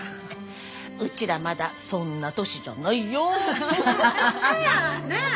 うちらまだそんな年じゃないよ！なぁ。